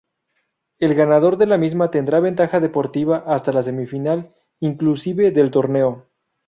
El ganador de la misma tendrá ventaja deportiva hasta la semifinal –inclusive- del torneo.